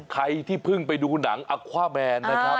ใครที่เพิ่งไปดูหนังอคว่าแมนนะครับ